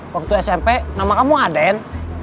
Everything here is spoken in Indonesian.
waktu smp nama kamu aden